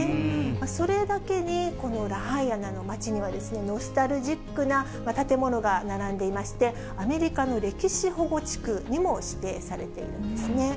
それだけにこのラハイナの街にはノスタルジックな建物が並んでいまして、アメリカの歴史保護地区にも指定されているんですね。